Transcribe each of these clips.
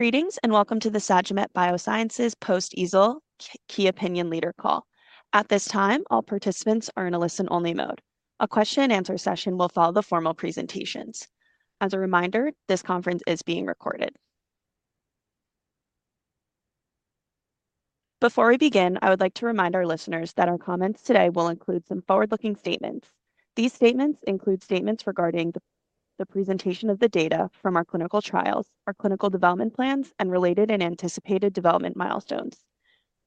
Greetings and welcome to the Sagimet Biosciences post-ESOL key opinion leader call. At this time, all participants are in a listen-only mode. A question-and-answer session will follow the formal presentations. As a reminder, this conference is being recorded. Before we begin, I would like to remind our listeners that our comments today will include some forward-looking statements. These statements include statements regarding the presentation of the data from our clinical trials, our clinical development plans, and related and anticipated development milestones.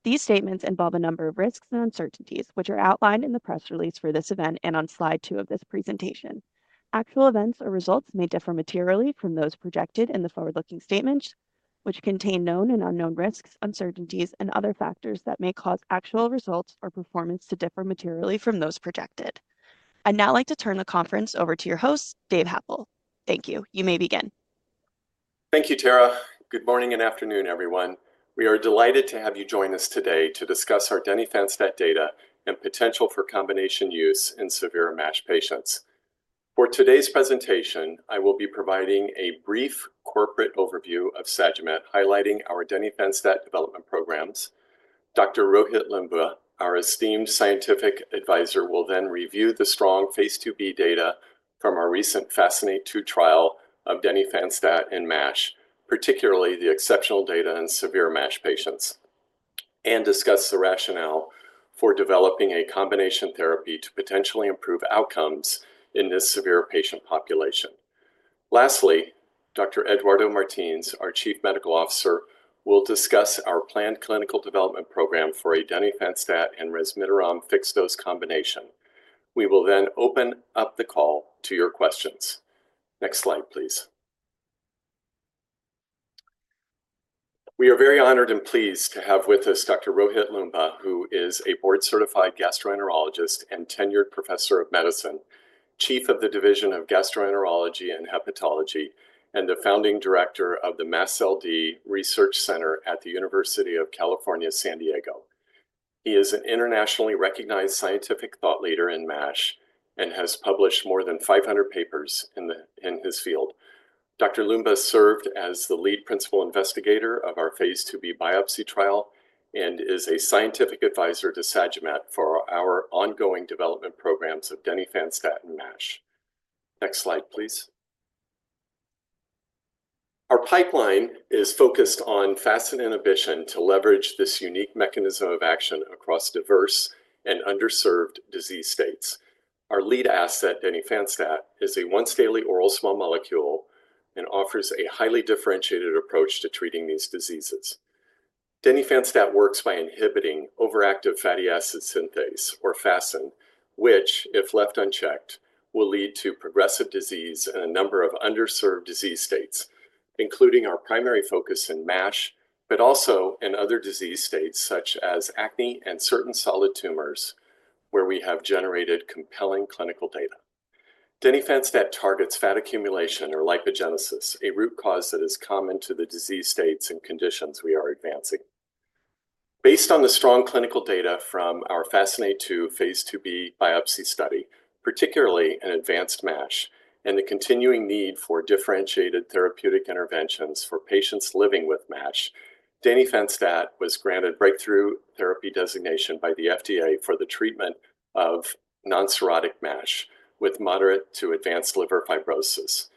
These statements involve a number of risks and uncertainties, which are outlined in the press release for this event and on slide two of this presentation. Actual events or results may differ materially from those projected in the forward-looking statements, which contain known and unknown risks, uncertainties, and other factors that may cause actual results or performance to differ materially from those projected. I'd now like to turn the conference over to your host, Dave Happel. Thank you. You may begin. Thank you, Tara. Good morning and afternoon, everyone. We are delighted to have you join us today to discuss our Denifanstat data and potential for combination use in severe MASH patients. For today's presentation, I will be providing a brief corporate overview of Sagimet, highlighting our Denifanstat development programs. Dr. Rohit Loomba, our esteemed scientific advisor, will then review the strong phase 2b data from our recent FASCINATE-2 trial of Denifanstat in MASH, particularly the exceptional data in severe MASH patients, and discuss the rationale for developing a combination therapy to potentially improve outcomes in this severe patient population. Lastly, Dr. Eduardo Martins, our Chief Medical Officer, will discuss our planned clinical development program for a Denifanstat and Resmetirom fixed-dose combination. We will then open up the call to your questions. Next slide, please. We are very honored and pleased to have with us Dr.Rohit Loomba, who is a board-certified gastroenterologist and tenured professor of medicine, Chief of the Division of Gastroenterology and Hepatology, and the founding director of the MASLD Research Center at the University of California, San Diego. He is an internationally recognized scientific thought leader in MASH and has published more than 500 papers in his field. Dr. Loomba served as the lead principal investigator of our phase IIb biopsy trial and is a scientific advisor to Sagimet for our ongoing development programs of Denifanstat and MASH. Next slide, please. Our pipeline is focused on FASN inhibition to leverage this unique mechanism of action across diverse and underserved disease states. Our lead asset, Denifanstat, is a once-daily oral small molecule and offers a highly differentiated approach to treating these diseases. Denifanstat works by inhibiting overactive fatty acid synthase, or FASN, which, if left unchecked, will lead to progressive disease and a number of underserved disease states, including our primary focus in MASH, but also in other disease states such as acne and certain solid tumors, where we have generated compelling clinical data. Denifanstat targets fat accumulation, or lipogenesis, a root cause that is common to the disease states and conditions we are advancing. Based on the strong clinical data from our FASCINATE-2 phase 2b biopsy study, particularly in advanced MASH, and the continuing need for differentiated therapeutic interventions for patients living with MASH, Denifanstat was granted breakthrough therapy designation by the FDA for the treatment of non-cirrhotic MASH with moderate to advanced liver fibrosis.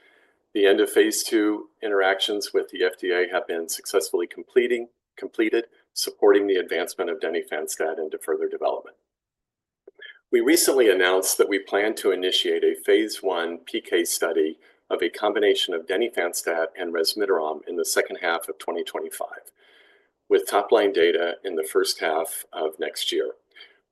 The end of phase two interactions with the FDA have been successfully completed, supporting the advancement of Denifanstat into further development. We recently announced that we plan to initiate a phase one PK study of a combination of denifanstat and resmetirom in the second half of 2025, with top-line data in the first half of next year.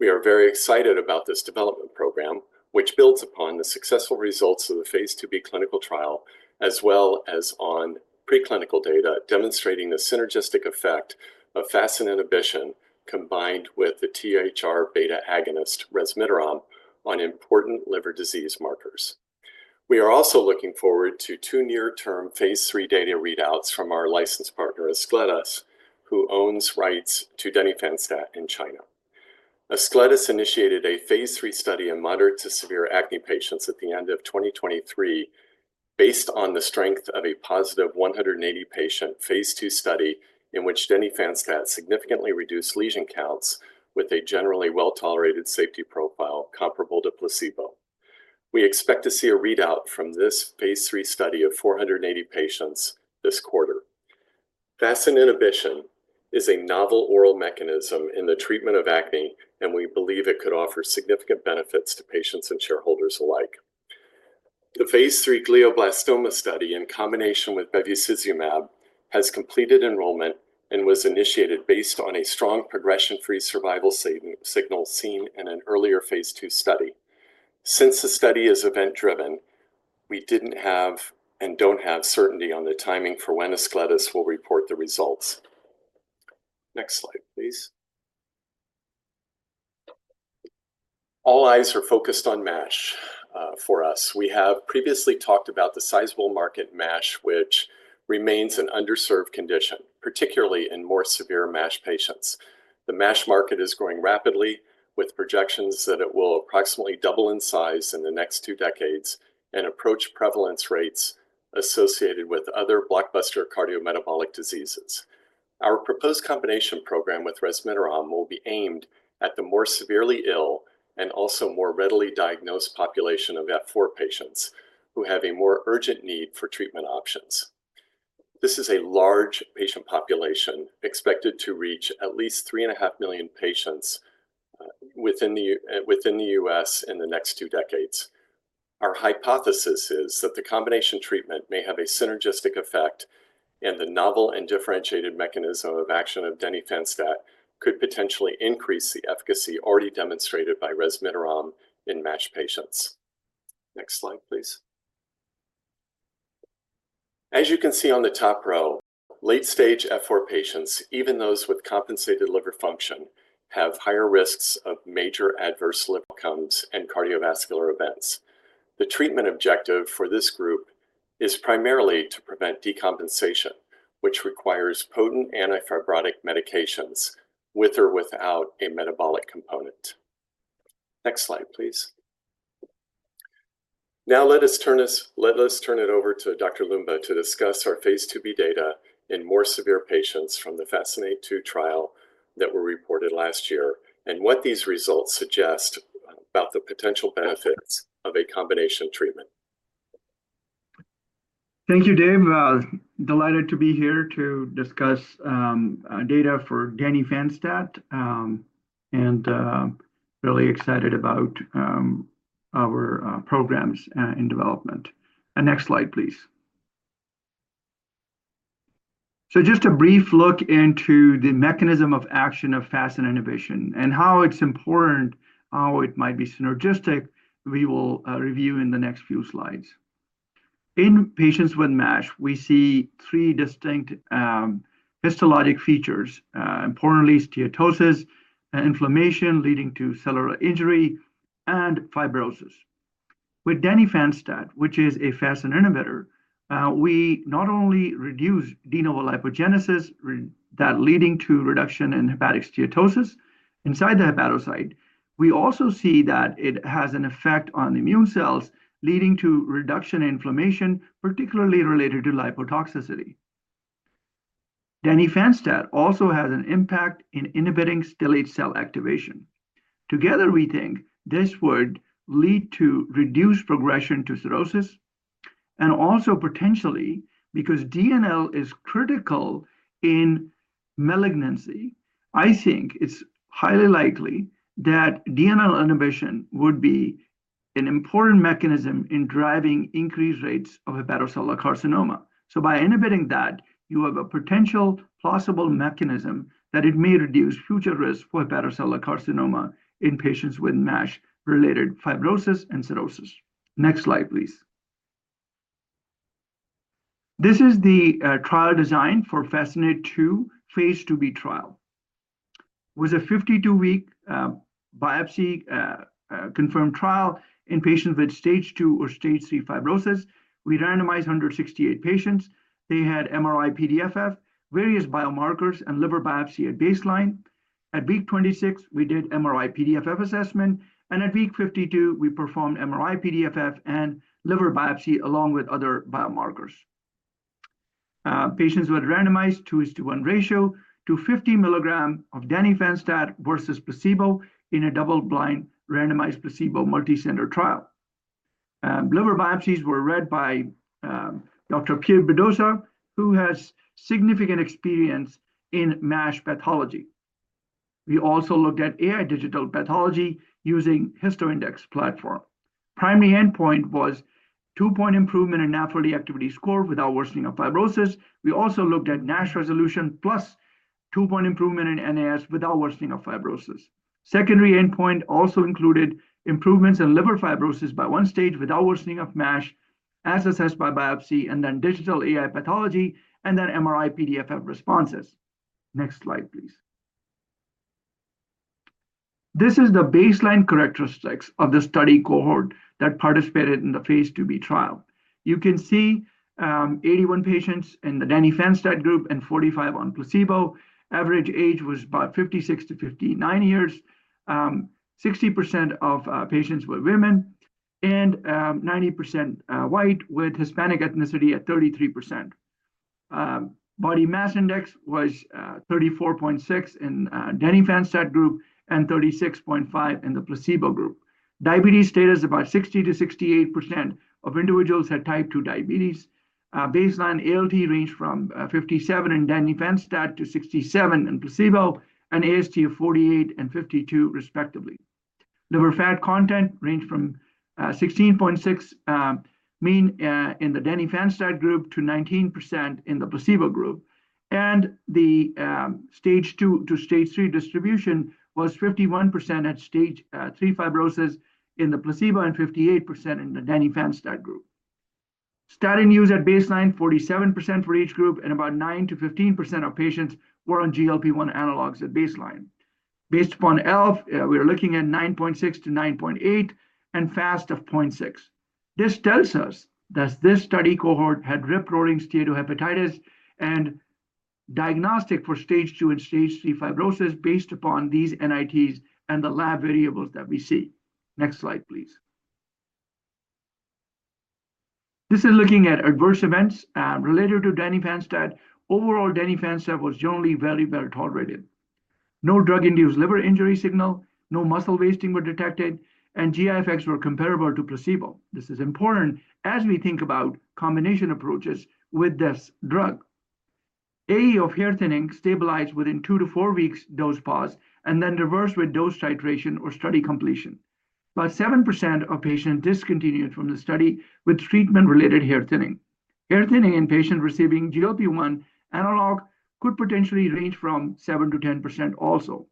We are very excited about this development program, which builds upon the successful results of the phase IIb clinical trial, as well as on preclinical data demonstrating the synergistic effect of FASN inhibition combined with the THR-beta agonist resmetirom on important liver disease markers. We are also looking forward to two near-term phase III data readouts from our licensed partner, Ascletis, who owns rights to denifanstat in China. Ascletis initiated a phase III study in moderate to severe acne patients at the end of 2023, based on the strength of a positive 180-patient phase II study in which denifanstat significantly reduced lesion counts with a generally well-tolerated safety profile comparable to placebo. We expect to see a readout from this phase III study of 480 patients this quarter. FASN inhibition is a novel oral mechanism in the treatment of acne, and we believe it could offer significant benefits to patients and shareholders alike. The phase III glioblastoma study, in combination with bevacizumab, has completed enrollment and was initiated based on a strong progression-free survival signal seen in an earlier phase II study. Since the study is event-driven, we did not have and do not have certainty on the timing for when Ascletis will report the results. Next slide, please. All eyes are focused on MASH for us. We have previously talked about the sizable market MASH, which remains an underserved condition, particularly in more severe MASH patients. The MASH market is growing rapidly, with projections that it will approximately double in size in the next two decades and approach prevalence rates associated with other blockbuster cardiometabolic diseases. Our proposed combination program with Resmetirom will be aimed at the more severely ill and also more readily diagnosed population of F4 patients who have a more urgent need for treatment options. This is a large patient population expected to reach at least 3.5 million patients within the U.S.,in the next two decades. Our hypothesis is that the combination treatment may have a synergistic effect, and the novel and differentiated mechanism of action of Denifanstat could potentially increase the efficacy already demonstrated by Resmetirom in MASH patients. Next slide, please. As you can see on the top row, late-stage F4 patients, even those with compensated liver function, have higher risks of major adverse liver outcomes and cardiovascular events. The treatment objective for this group is primarily to prevent decompensation, which requires potent antifibrotic medications with or without a metabolic component. Next slide, please. Now, let us turn it over to Dr. Loomba to discuss our phase 2b data in more severe patients from the FASCINATE-2 trial that were reported last year and what these results suggest about the potential benefits of a combination treatment. Thank you, Dave. Delighted to be here to discuss data for Denifanstat and really excited about our programs in development. Next slide, please. Just a brief look into the mechanism of action of FASN inhibition and how it's important, how it might be synergistic, we will review in the next few slides. In patients with MASH, we see three distinct histologic features, importantly steatosis, inflammation leading to cellular injury, and fibrosis. With Denifanstat, which is a FASN inhibitor, we not only reduce de novo lipogenesis that is leading to reduction in hepatic steatosis inside the hepatocyte, we also see that it has an effect on immune cells leading to reduction in inflammation, particularly related to lipotoxicity. Denifanstat also has an impact in inhibiting stellate cell activation. Together, we think this would lead to reduced progression to cirrhosis and also potentially, because DNL is critical in malignancy, I think it's highly likely that DNL inhibition would be an important mechanism in driving increased rates of hepatocellular carcinoma. By inhibiting that, you have a potential plausible mechanism that it may reduce future risk for hepatocellular carcinoma in patients with MASH-related fibrosis and cirrhosis. Next slide, please. This is the trial design for FASCINATE-2 phase 2b trial. It was a 52-week biopsy-confirmed trial in patients with stage 2 or stage 3 fibrosis. We randomized 168 patients. They had MRI-PDFF, various biomarkers, and liver biopsy at baseline. At week 26, we did MRI-PDFF assessment, and at week 52, we performed MRI-PDFF and liver biopsy along with other biomarkers. Patients were randomized 2:1 ratio to 50 milligrams of Denifanstat versus placebo in a double-blind randomized placebo multicenter trial. Liver biopsies were read by Dr. Pierre Bedossa, who has significant experience in MASH pathology. We also looked at AI digital pathology using the HistoIndex platform. Primary endpoint was two-point improvement in NAFLD Activity Score without worsening of fibrosis. We also looked at NASH resolution plus two-point improvement in NAS without worsening of fibrosis. Secondary endpoint also included improvements in liver fibrosis by one stage without worsening of MASH, as assessed by biopsy, and then digital AI pathology, and then MRI-PDFF responses. Next slide, please. This is the baseline characteristics of the study cohort that participated in the phase 2b trial. You can see 81 patients in the Denifanstat group and 45 on placebo. Average age was about 56 to 59 years. 60% of patients were women and 90% white with Hispanic ethnicity at 33%. Body mass index was 34.6 in the Denifanstat group and 36.5 in the placebo group. Diabetes status about 60%-68% of individuals had type 2 diabetes. Baseline ALT ranged from 57 in Denifanstat to 67 in placebo and AST of 48 and 52, respectively. Liver fat content ranged from 16.6% in the Denifanstat group to 19% in the placebo group. The stage II to stage III distribution was 51% at stage III fibrosis in the placebo and 58% in the Denifanstat group. Statin use at baseline 47% for each group, and about 9%-15% of patients were on GLP-1 analogs at baseline. Based upon ELF, we were looking at 9.6%-9.8% and FAST of 0.6%. This tells us that this study cohort had rib-rolling steatohepatitis and diagnostic for stage II and stage III fibrosis based upon these NITs and the lab variables that we see. Next slide, please. This is looking at adverse events related to Denifanstat. Overall, Denifanstat was generally very well tolerated. No drug-induced liver injury signal, no muscle wasting was detected, and GI effects were comparable to placebo. This is important as we think about combination approaches with this drug. AE of here stabilized within two to four weeks dose pause and then reversed with dose titration or study completion. About seven percent of patients discontinued from the study with treatment-related hair thinning. Hair thinning in patients receiving GLP-1 analog could potentially range from 7%-10% also.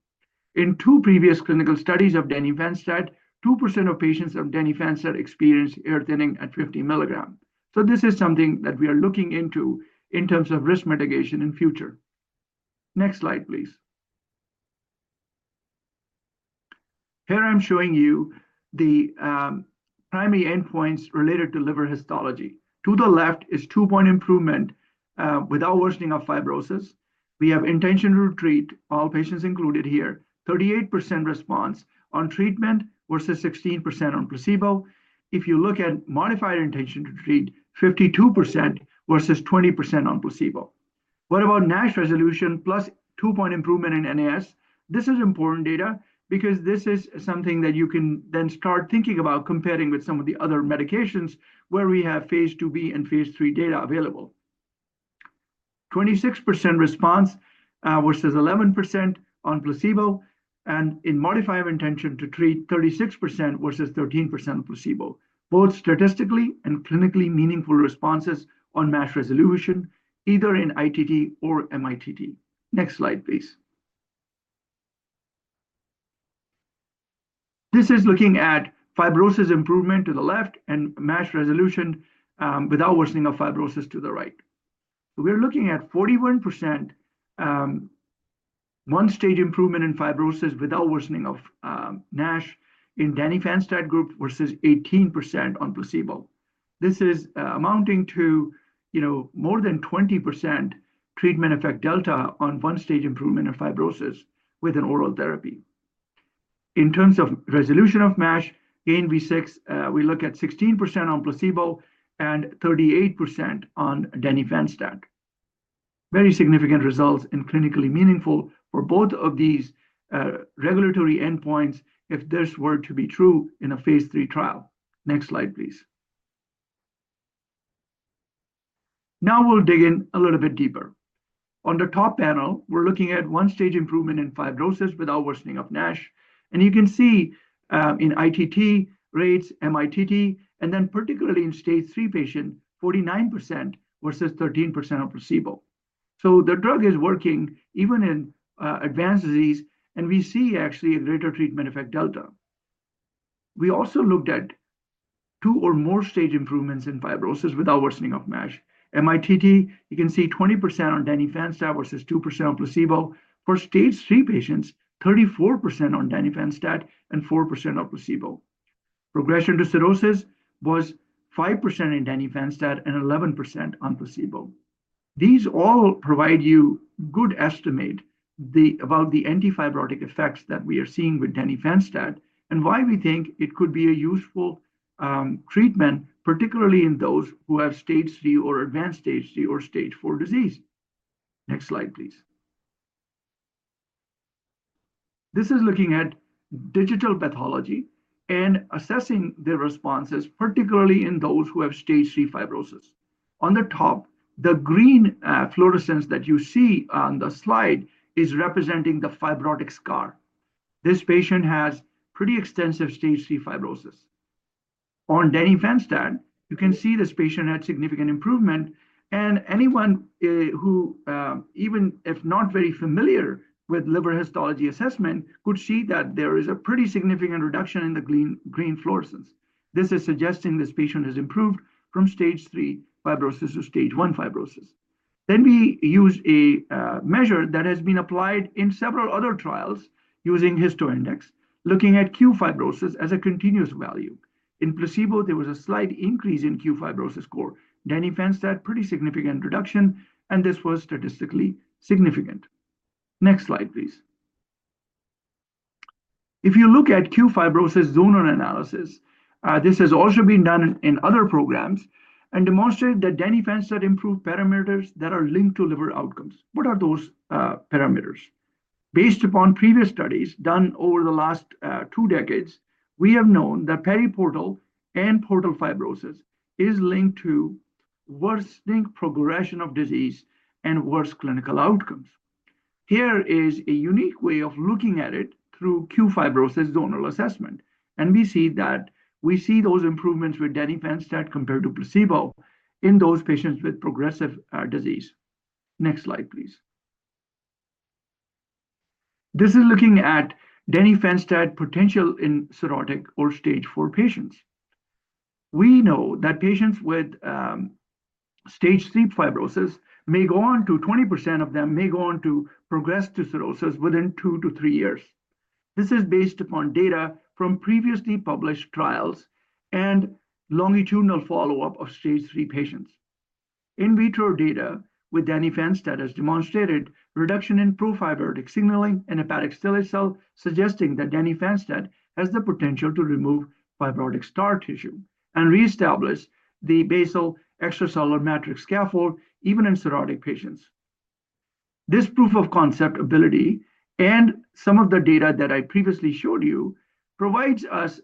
In two previous clinical studies of Denifanstat, two percent of patients of Denifanstat experienced hair thinning at 50 milligrams. This is something that we are looking into in terms of risk mitigation in future. Next slide, please. Here I'm showing you the primary endpoints related to liver histology. To the left is two-point improvement without worsening of fibrosis. We have intention to treat all patients included here, 38% response on treatment versus 16% on placebo. If you look at modified intention to treat, 52% versus 20% on placebo. What about MASH resolution plus two-point improvement in NAFLD Activity Score? This is important data because this is something that you can then start thinking about comparing with some of the other medications where we have phase IIb and phase III data available. 26% response versus 11% on placebo, and in modified intention to treat, 36% versus 13% on placebo. Both statistically and clinically meaningful responses on MASH resolution, either in ITT or MITT. Next slide, please. This is looking at fibrosis improvement to the left and MASH resolution without worsening of fibrosis to the right. So we're looking at 41% one-stage improvement in fibrosis without worsening of MASH in Denifanstat group versus 18% on placebo. This is amounting to more than 20% treatment effect delta on one-stage improvement of fibrosis with an oral therapy. In terms of resolution of MASH, and we look at 16% on placebo and 38% on Denifanstat. Very significant results and clinically meaningful for both of these regulatory endpoints if this were to be true in a phase III trial. Next slide, please. Now we'll dig in a little bit deeper. On the top panel, we're looking at one-stage improvement in fibrosis without worsening of MASH, and you can see in ITT rates, MITT, and then particularly in stage III patient, 49% versus 13% on placebo. The drug is working even in advanced disease, and we see actually a greater treatment effect delta. We also looked at two or more stage improvements in fibrosis without worsening of MASH. MITT, you can see 20% on Denifanstat versus 2% on placebo. For stage III patients, 34% on Denifanstat and four percent on placebo. Progression to cirrhosis was five percent in Denifanstat and 11% on placebo. These all provide you a good estimate about the antifibrotic effects that we are seeing with Denifanstat and why we think it could be a useful treatment, particularly in those who have stage III or advanced stage III or stage IV disease. Next slide, please. This is looking at digital pathology and assessing the responses, particularly in those who have stage III fibrosis. On the top, the green fluorescence that you see on the slide is representing the fibrotic scar. This patient has pretty extensive stage III fibrosis. On Denifanstat, you can see this patient had significant improvement, and anyone who, even if not very familiar with liver histology assessment, could see that there is a pretty significant reduction in the green fluorescence. This is suggesting this patient has improved from stage III fibrosis to stage I fibrosis. We used a measure that has been applied in several other trials using HistoIndex, looking at QFibrosis as a continuous value. In placebo, there was a slight increase in QFibrosis score. Denifanstat had pretty significant reduction, and this was statistically significant. Next slide, please. If you look at QFibrosis zone analysis, this has also been done in other programs and demonstrated that Denifanstat improved parameters that are linked to liver outcomes. What are those parameters? Based upon previous studies done over the last two decades, we have known that periportal and portal fibrosis is linked to worsening progression of disease and worse clinical outcomes. Here is a unique way of looking at it through QFibrosis zonal assessment, and we see that we see those improvements with Denifanstat compared to placebo in those patients with progressive disease. Next slide, please. This is looking at Denifanstat potential in cirrhotic or stage IV patients. We know that patients with stage III fibrosis may go on to 20% of them may go on to progress to cirrhosis within two to three years. This is based upon data from previously published trials and longitudinal follow-up of stage III patients. In vitro data with Denifanstat has demonstrated reduction in pro-fibrotic signaling and hepatic stellate cell, suggesting that Denifanstat has the potential to remove fibrotic scar tissue and reestablish the basal extracellular matrix scaffold even in cirrhotic patients. This proof of concept ability and some of the data that I previously showed you provides us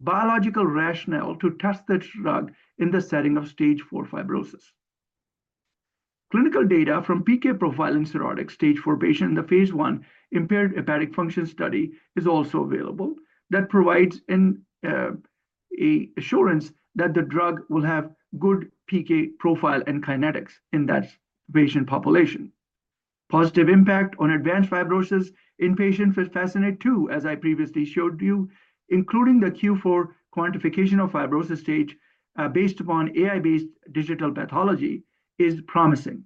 biological rationale to test this drug in the setting of stage IV fibrosis. Clinical data from PK profile in cirrhotic stage IV patients in the phase I impaired hepatic function study is also available that provides assurance that the drug will have good PK profile and kinetics in that patient population. Positive impact on advanced fibrosis in patients with FASCINATE-2, as I previously showed you, including the QFibrosis quantification of fibrosis stage based upon AI-based digital pathology, is promising.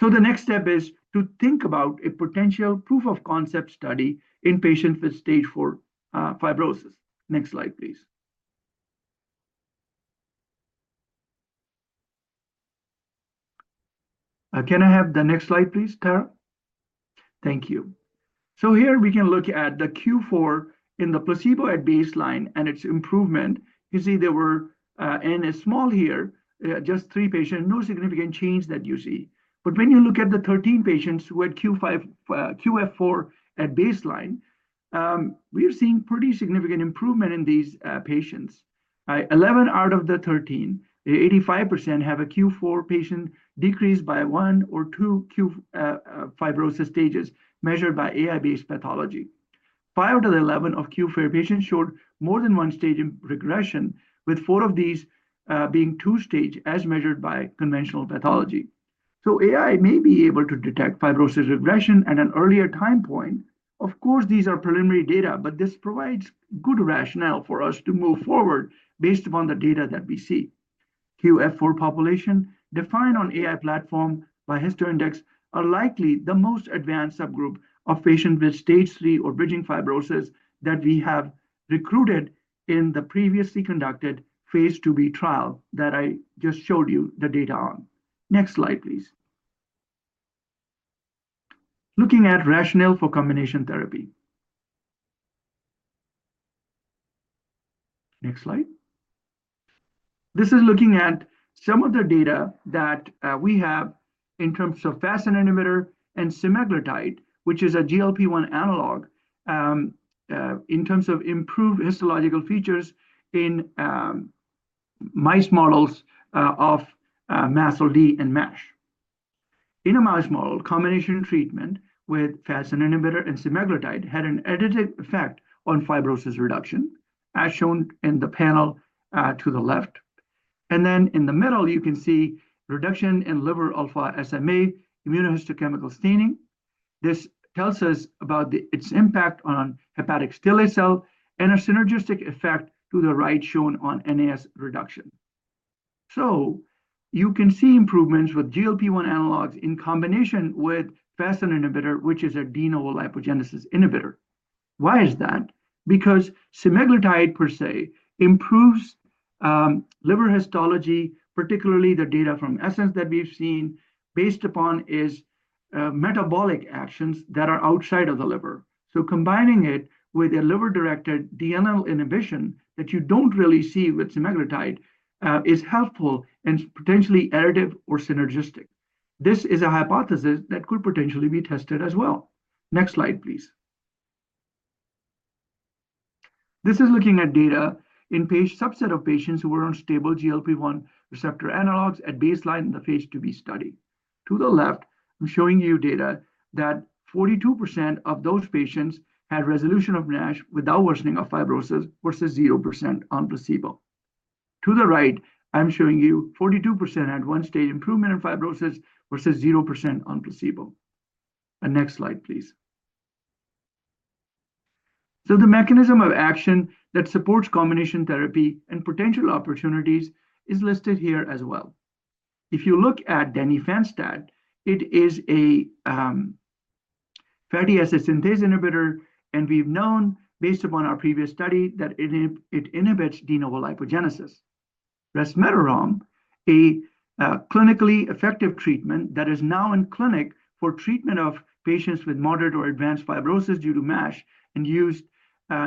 The next step is to think about a potential proof of concept study in patients with stage IV fibrosis. Next slide, please. Can I have the next slide, please, Tara? Thank you. Here we can look at the Q4 in the placebo at baseline and its improvement. You see there were, in a small here, just three patients, no significant change that you see. When you look at the 13 patients who had QF4 at baseline, we are seeing pretty significant improvement in these patients. Eleven out of the 13, 85%, have a Q4 patient decreased by one or two QFibrosis stages measured by AI-based pathology. Five out of the eleven of QFIR patients showed more than one stage in regression, with four of these being two-stage as measured by conventional pathology. AI may be able to detect fibrosis regression at an earlier time point. Of course, these are preliminary data, but this provides good rationale for us to move forward based upon the data that we see. QF4 population defined on AI platform by HistoIndex are likely the most advanced subgroup of patients with stage III or bridging fibrosis that we have recruited in the previously conducted phase IIb trial that I just showed you the data on. Next slide, please. Looking at rationale for combination therapy. Next slide. This is looking at some of the data that we have in terms of FASN inhibitor and semaglutide, which is a GLP-1 analog in terms of improved histological features in mice models of MASLD and MASH. In a mice model, combination treatment with FASN inhibitor and semaglutide had an additive effect on fibrosis reduction, as shown in the panel to the left. Then in the middle, you can see reduction in liver alpha SMA immunohistochemical staining. This tells us about its impact on hepatic stellate cell and a synergistic effect to the right shown on NAS reduction. You can see improvements with GLP-1 analogs in combination with FASN inhibitor, which is a DNL lipogenesis inhibitor. Why is that? Because semaglutide per se improves liver histology, particularly the data from ESSENCE that we've seen based upon metabolic actions that are outside of the liver. Combining it with a liver-directed DNL inhibition that you do not really see with semaglutide is helpful and potentially additive or synergistic. This is a hypothesis that could potentially be tested as well. Next slide, please. This is looking at data in a subset of patients who were on stable GLP-1 receptor analogs at baseline in the phase IIb study. To the left, I'm showing you data that 42% of those patients had resolution of NASH without worsening of fibrosis versus 0% on placebo. To the right, I'm showing you 42% had one-stage improvement in fibrosis versus 0% on placebo. Next slide, please. The mechanism of action that supports combination therapy and potential opportunities is listed here as well. If you look at Denifanstat, it is a fatty acid synthase inhibitor, and we've known based upon our previous study that it inhibits de novo lipogenesis. Resmetirom, a clinically effective treatment that is now in clinic for treatment of patients with moderate or advanced fibrosis due to MASH and used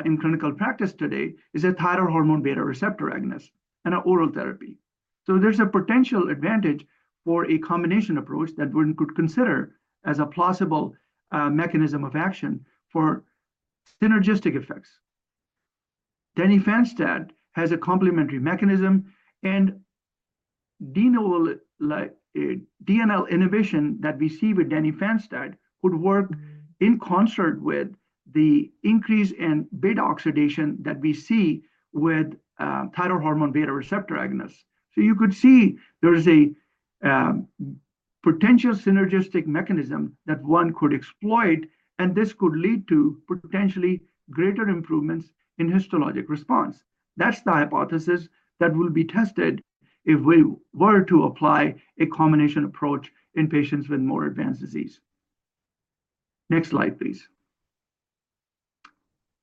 in clinical practice today, is a thyroid hormone beta receptor agonist and an oral therapy. There's a potential advantage for a combination approach that one could consider as a plausible mechanism of action for synergistic effects. Denifanstat has a complementary mechanism, and DNL inhibition that we see with Denifanstat could work in concert with the increase in beta oxidation that we see with thyroid hormone beta receptor agonist. You could see there is a potential synergistic mechanism that one could exploit, and this could lead to potentially greater improvements in histologic response. That is the hypothesis that will be tested if we were to apply a combination approach in patients with more advanced disease. Next slide, please.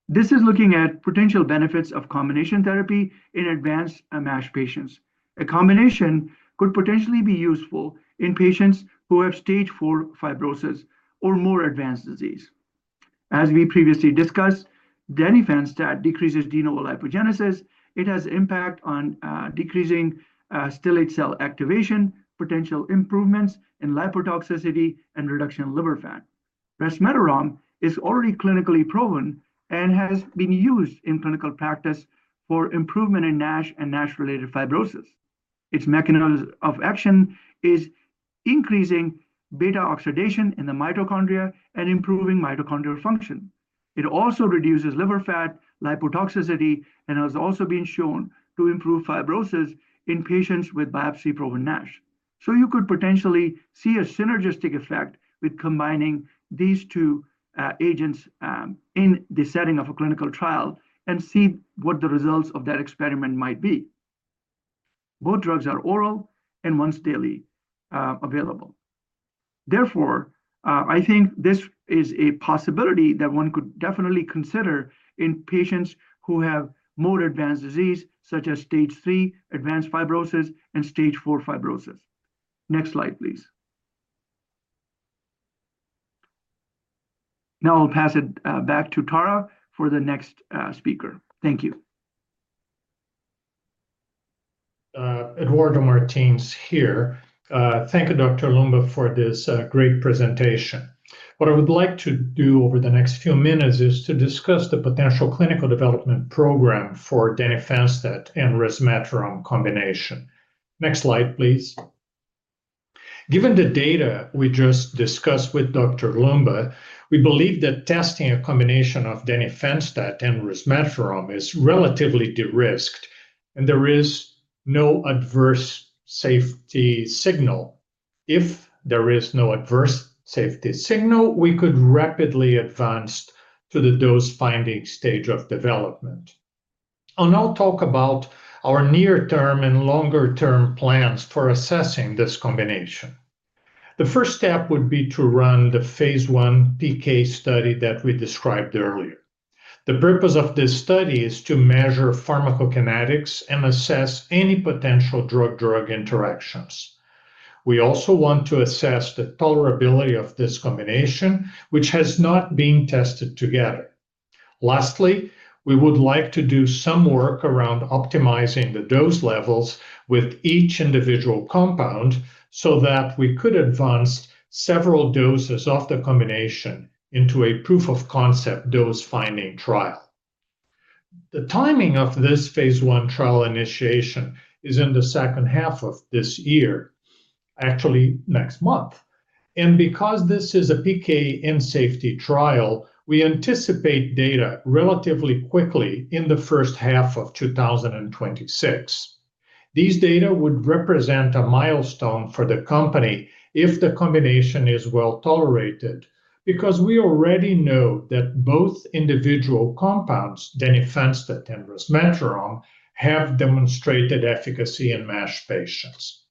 This is looking at potential benefits of combination therapy in advanced MASH patients. A combination could potentially be useful in patients who have stage IV fibrosis or more advanced disease. As we previously discussed, Denifanstat decreases de novo lipogenesis. It has an impact on decreasing stellate cell activation, potential improvements in lipotoxicity, and reduction in liver fat. Resmetirom is already clinically proven and has been used in clinical practice for improvement in MASH and MASH-related fibrosis. Its mechanism of action is increasing beta oxidation in the mitochondria and improving mitochondrial function. It also reduces liver fat, lipotoxicity, and has also been shown to improve fibrosis in patients with biopsy-proven MASH. You could potentially see a synergistic effect with combining these two agents in the setting of a clinical trial and see what the results of that experiment might be. Both drugs are oral and once daily available. Therefore, I think this is a possibility that one could definitely consider in patients who have more advanced disease, such as stage III advanced fibrosis and stage IV fibrosis. Next slide, please. Now I'll pass it back to Tara for the next speaker. Thank you. Eduardo Martins here. Thank you, Dr. Loomba, for this great presentation. What I would like to do over the next few minutes is to discuss the potential clinical development program for Denifanstat and Resmetirom combination. Next slide, please. Given the data we just discussed with Dr. Loomba, we believe that testing a combination of Denifanstat and Resmetirom is relatively de-risked, and there is no adverse safety signal. If there is no adverse safety signal, we could rapidly advance to the dose-finding stage of development. I'll now talk about our near-term and longer-term plans for assessing this combination. The first step would be to run the phase I PK study that we described earlier. The purpose of this study is to measure pharmacokinetics and assess any potential drug-drug interactions. We also want to assess the tolerability of this combination, which has not been tested together. Lastly, we would like to do some work around optimizing the dose levels with each individual compound so that we could advance several doses of the combination into a proof of concept dose-finding trial. The timing of this phase I trial initiation is in the second half of this year, actually next month. Because this is a PK in-safety trial, we anticipate data relatively quickly in the first half of 2026. These data would represent a milestone for the company if the combination is well tolerated because we already know that both individual compounds, Denifanstat and Resmetirom, have demonstrated efficacy in MASH patients.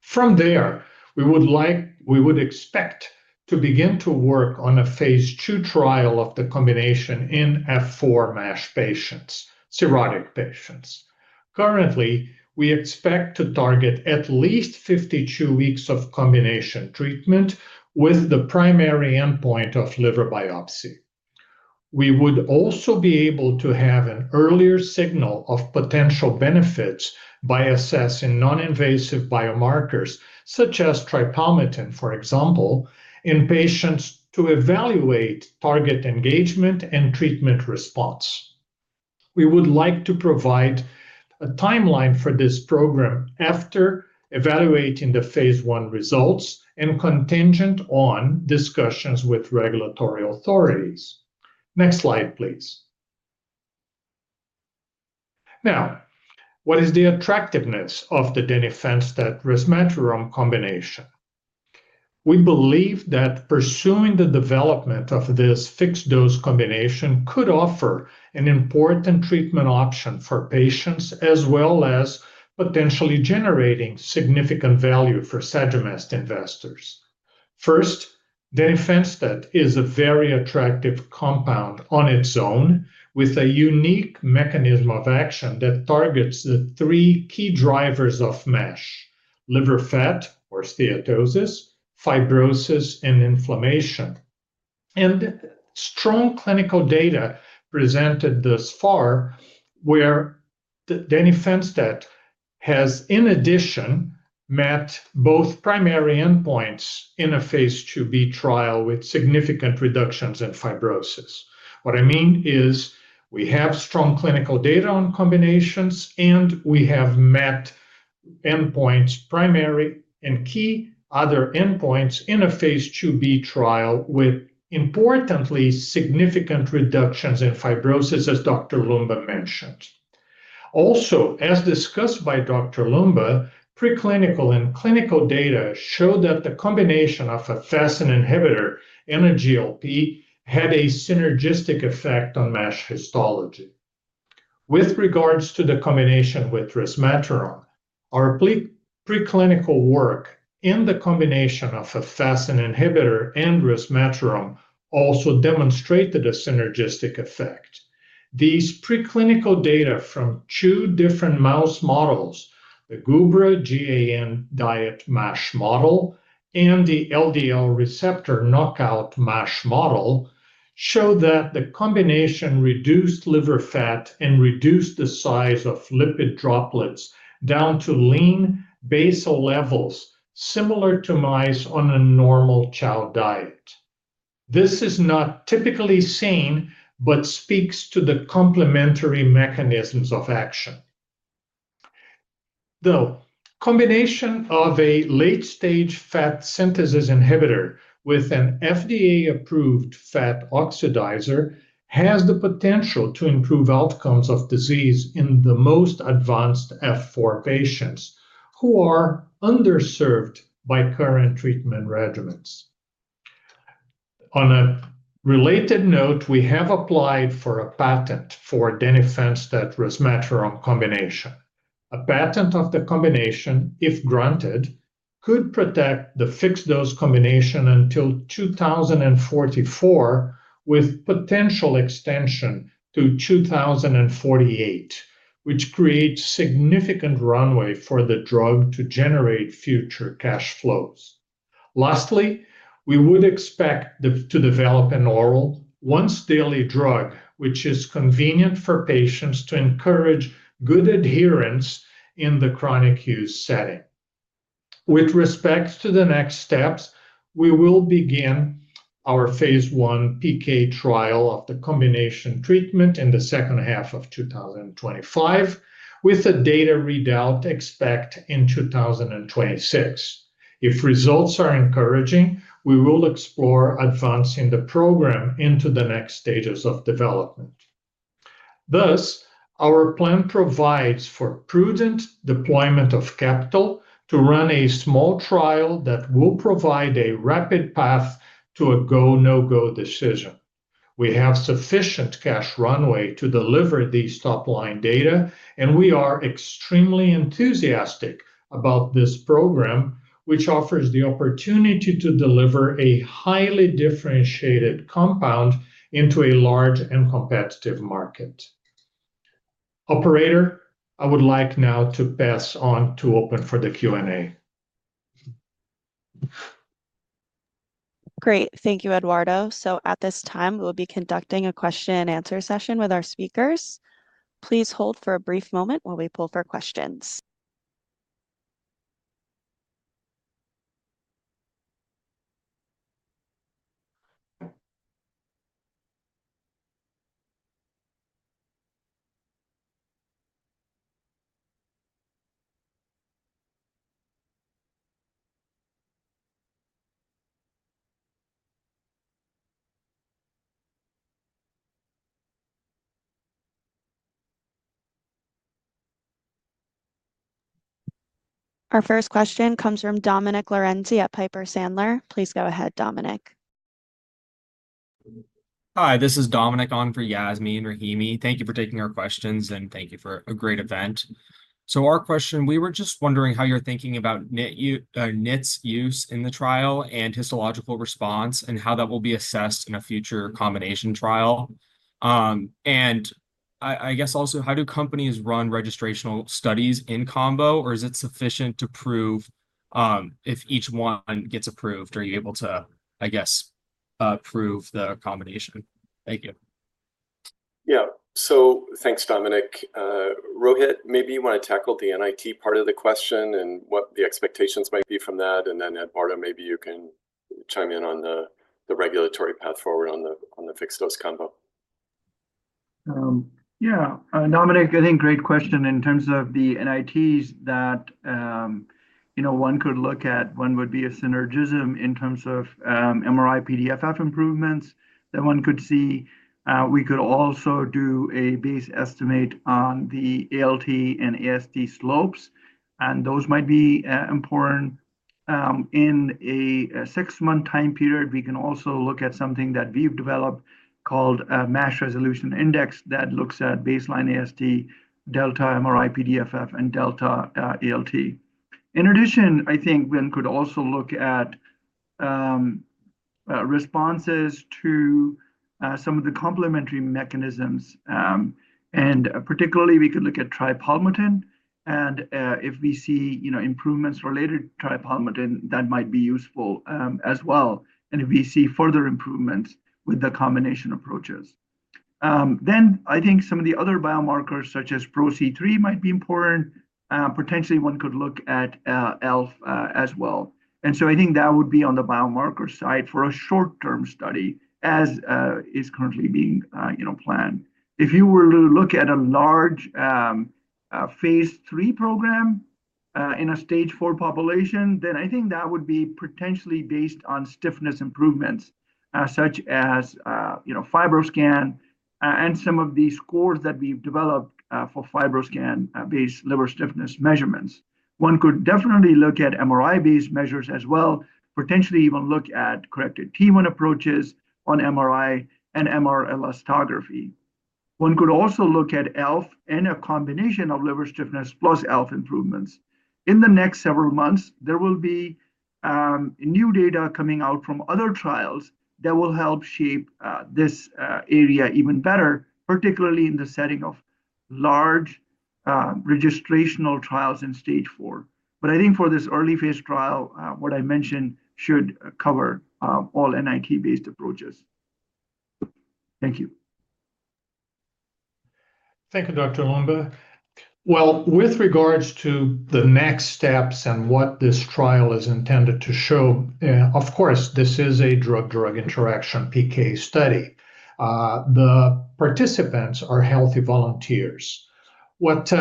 From there, we would expect to begin to work on a phase II trial of the combination in F4 MASH patients, cirrhotic patients. Currently, we expect to target at least 52 weeks of combination treatment with the primary endpoint of liver biopsy. We would also be able to have an earlier signal of potential benefits by assessing non-invasive biomarkers such as tripalmitin, for example, in patients to evaluate target engagement and treatment response. We would like to provide a timeline for this program after evaluating the phase I results and contingent on discussions with regulatory authorities. Next slide, please. Now, what is the attractiveness of the Denifanstat-Resmetirom combination? We believe that pursuing the development of this fixed-dose combination could offer an important treatment option for patients as well as potentially generating significant value for Sagimet Biosciences investors. First, Denifanstat is a very attractive compound on its own with a unique mechanism of action that targets the three key drivers of MASH: liver fat or steatosis, fibrosis, and inflammation. Strong clinical data presented thus far where the Denifanstat has, in addition, met both primary endpoints in a phase IIb trial with significant reductions in fibrosis. What I mean is we have strong clinical data on combinations, and we have met endpoints, primary and key other endpoints in a phase IIb trial with importantly significant reductions in fibrosis, as Dr. Loomba mentioned. Also, as discussed by Dr. Loomba, preclinical and clinical data show that the combination of a FASN inhibitor and a GLP-1 had a synergistic effect on MASH histology. With regards to the combination with Resmetirom, our preclinical work in the combination of a FASN inhibitor and Resmetirom also demonstrated a synergistic effect. These preclinical data from two different mouse models, the Gubra GAN diet MASH model and the LDL receptor knockout MASH model, show that the combination reduced liver fat and reduced the size of lipid droplets down to lean basal levels similar to mice on a normal chow diet. This is not typically seen, but speaks to the complementary mechanisms of action. The combination of a late-stage fat synthesis inhibitor with an FDA-approved fat oxidizer has the potential to improve outcomes of disease in the most advanced F4 patients who are underserved by current treatment regimens. On a related note, we have applied for a patent for Denifanstat-Resmetirom combination. A patent of the combination, if granted, could protect the fixed-dose combination until 2044 with potential extension to 2048, which creates significant runway for the drug to generate future cash flows. Lastly, we would expect to develop an oral once daily drug, which is convenient for patients to encourage good adherence in the chronic use setting. With respect to the next steps, we will begin our phase I PK trial of the combination treatment in the second half of 2025 with a data readout expected in 2026. If results are encouraging, we will explore advancing the program into the next stages of development. Thus, our plan provides for prudent deployment of capital to run a small trial that will provide a rapid path to a go/no-go decision. We have sufficient cash runway to deliver these top-line data, and we are extremely enthusiastic about this program, which offers the opportunity to deliver a highly differentiated compound into a large and competitive market. Operator, I would like now to pass on to open for the Q&A. Great. Thank you, Eduardo.At this time, we will be conducting a question-and-answer session with our speakers. Please hold for a brief moment while we pull for questions. Our first question comes from Dominic Risso at Piper Sandler. Please go ahead, Dominic. Hi, this is Dominic on for Yasmin Rahimi. Thank you for taking our questions, and thank you for a great event. Our question, we were just wondering how you're thinking about NITs use in the trial and histological response and how that will be assessed in a future combination trial. I guess also, how do companies run registrational studies in combo, or is it sufficient to prove if each one gets approved? Are you able to, I guess, prove the combination? Thank you. Yeah. Thanks, Dominic. Rohit, maybe you want to tackle the NIT part of the question and what the expectations might be from that. Eduardo, maybe you can chime in on the regulatory path forward on the fixed-dose combo. Yeah. Dominic, I think great question. In terms of the NITs that one could look at, one would be a synergism in terms of MRI-PDFF improvements that one could see. We could also do a base estimate on the ALT and AST slopes, and those might be important. In a six-month time period, we can also look at something that we've developed called a MASH resolution index that looks at baseline AST, delta MRI-PDFF, and delta ALT. In addition, I think one could also look at responses to some of the complementary mechanisms. Particularly, we could look at tripalmitin. If we see improvements related to tripalmitin, that might be useful as well. If we see further improvements with the combination approaches, then I think some of the other biomarkers such as ProC3 might be important. Potentially, one could look at ELF as well. I think that would be on the biomarker side for a short-term study as is currently being planned. If you were to look at a large phase III program in a stage IV population, I think that would be potentially based on stiffness improvements such as FibroScan and some of these scores that we've developed for FibroScan-based liver stiffness measurements. One could definitely look at MRI-based measures as well, potentially even look at corrected T1 approaches on MRI and MR elastography. One could also look at ELF and a combination of liver stiffness plus ELF improvements.In the next several months, there will be new data coming out from other trials that will help shape this area even better, particularly in the setting of large registrational trials in stage IV. I think for this early phase trial, what I mentioned should cover all NIT-based approaches. Thank you. Thank you, Dr. Loomba. With regards to the next steps and what this trial is intended to show, of course, this is a drug-drug interaction PK study. The participants are healthy volunteers. What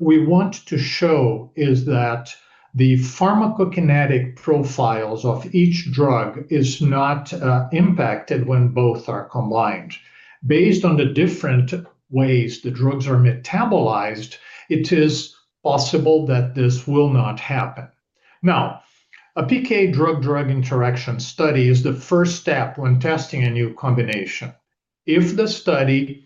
we want to show is that the pharmacokinetic profiles of each drug are not impacted when both are combined. Based on the different ways the drugs are metabolized, it is possible that this will not happen. Now, a PK drug-drug interaction study is the first step when testing a new combination. If the study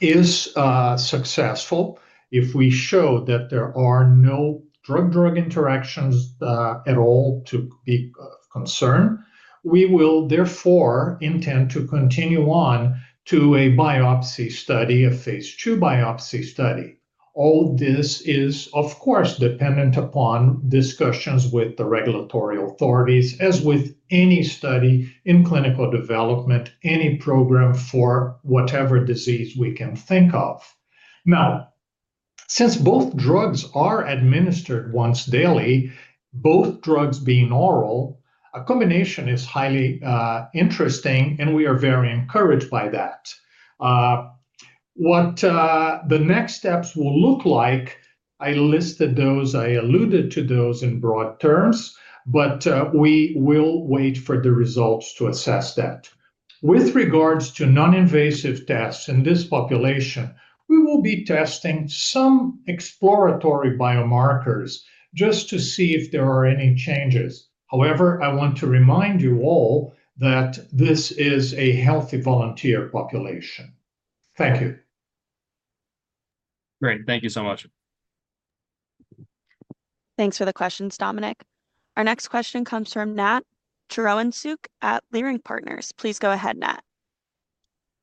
is successful, if we show that there are no drug-drug interactions at all to be of concern, we will therefore intend to continue on to a biopsy study, a phase II biopsy study. All this is, of course, dependent upon discussions with the regulatory authorities, as with any study in clinical development, any program for whatever disease we can think of. Now, since both drugs are administered once daily, both drugs being oral, a combination is highly interesting, and we are very encouraged by that. What the next steps will look like, I listed those, I alluded to those in broad terms, but we will wait for the results to assess that. With regards to non-invasive tests in this population, we will be testing some exploratory biomarkers just to see if there are any changes. However, I want to remind you all that this is a healthy volunteer population. Thank you. Great. Thank you so much. Thanks for the questions, Dominic. Our next question comes from Nat Charoensook at Leerink Partners. Please go ahead, Nat.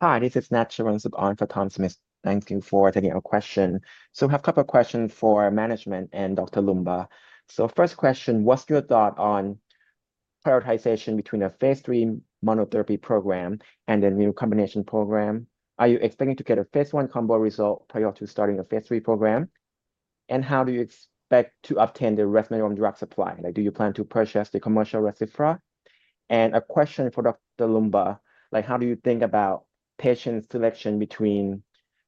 Hi, this is Nat Charoensook on for Tom Smith. Thank you for taking our question. So we have a couple of questions for management and Dr. Loomba. First question, what's your thought on prioritization between a phase III monotherapy program and a new combination program? Are you expecting to get a phase I combo result prior to starting a phase III program? How do you expect to obtain the Resmetirom drug supply? Do you plan to purchase the commercial Rezdiffra? A question for Dr. Loomba, how do you think about patient selection between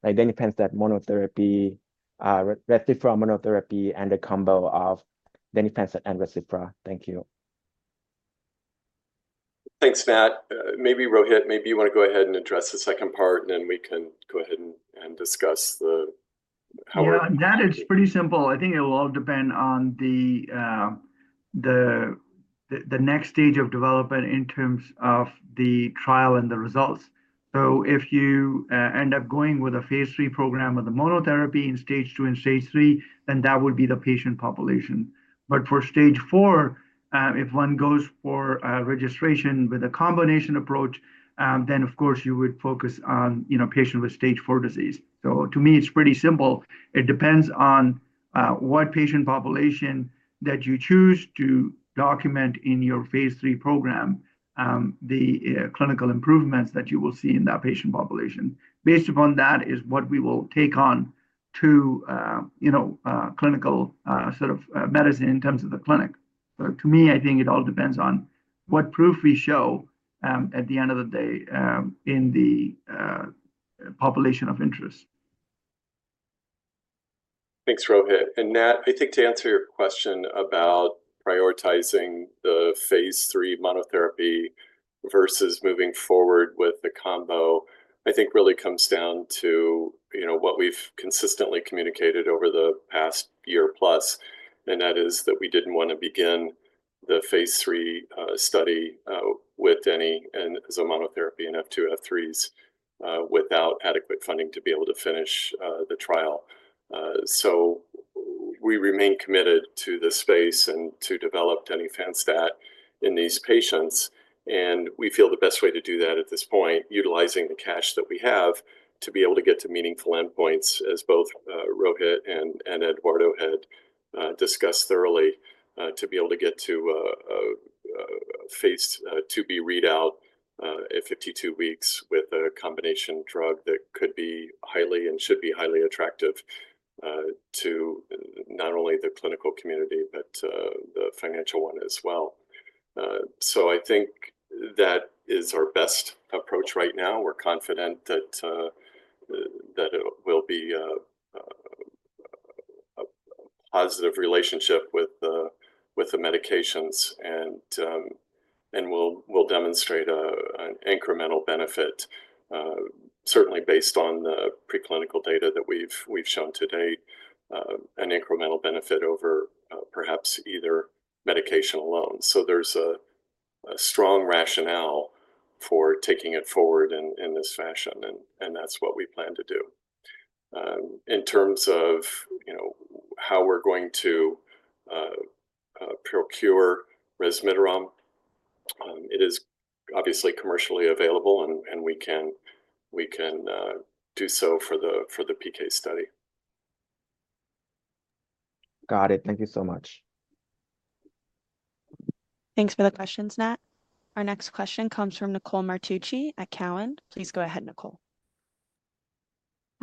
Denifanstat monotherapy, Rezdiffra monotherapy, and a combo of Denifanstat and Rezdiffra? Thank you. Thanks, Nat. Maybe Rohit, maybe you want to go ahead and address the second part, and then we can go ahead and discuss the how. Yeah, that is pretty simple. I think it will all depend on the next stage of development in terms of the trial and the results. If you end up going with a phase III program with the monotherapy in stage II and stage III, then that would be the patient population. For stage IV, if one goes for registration with a combination approach, then of course, you would focus on patients with stage IV disease. To me, it's pretty simple. It depends on what patient population that you choose to document in your phase III program, the clinical improvements that you will see in that patient population. Based upon that is what we will take on to clinical sort of medicine in terms of the clinic. To me, I think it all depends on what proof we show at the end of the day in the population of interest. Thanks, Rohit. Nat, I think to answer your question about prioritizing the phase III monotherapy versus moving forward with the combo, I think it really comes down to what we've consistently communicated over the past year plus. That is that we did not want to begin the phase III study with Denifanstat as monotherapy in F2-F3s without adequate funding to be able to finish the trial. We remain committed to the space and to develop Denifanstat in these patients. We feel the best way to do that at this point, utilizing the cash that we have to be able to get to meaningful endpoints, as both Rohit and Eduardo had discussed thoroughly, to be able to get to phase IIb readout at 52 weeks with a combination drug that could be highly and should be highly attractive to not only the clinical community, but the financial one as well. I think that is our best approach right now. We're confident that it will be a positive relationship with the medications and will demonstrate an incremental benefit, certainly based on the preclinical data that we've shown to date, an incremental benefit over perhaps either medication alone. There's a strong rationale for taking it forward in this fashion, and that's what we plan to do.In terms of how we're going to procure resveratrol, it is obviously commercially available, and we can do so for the PK study. Got it. Thank you so much. Thanks for the questions, Nat. Our next question comes from Nicole Martucci at Cowen. Please go ahead, Nicole.